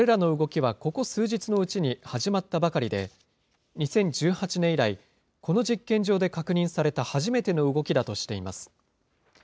これらの動きはここ数日のうちに始まったばかりで、２０１８年以来、この実験場で確認された初めての動きだとしています。